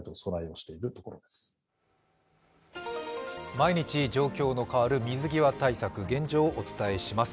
毎日状況の変わる水際対策、現状をお伝えします。